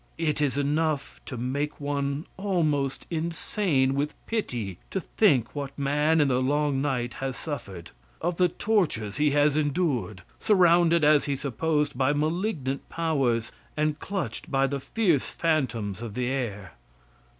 It is enough to make one almost insane with pity to think what man in the long night has suffered: of the tortures he has endured, surrounded, as he supposed, by malignant powers and clutched by the fierce phantoms of the air.